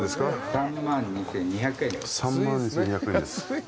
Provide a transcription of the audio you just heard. ３万２，２００円です。